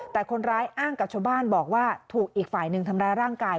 แต่คนร้ายอ้างกับชาวบ้านบอกว่าถูกอีกฝ่ายหนึ่งทำร้ายร่างกาย